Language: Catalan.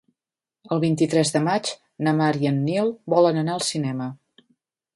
El vint-i-tres de maig na Mar i en Nil volen anar al cinema.